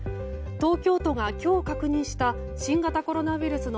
東京都が今日確認した新型コロナウイルスの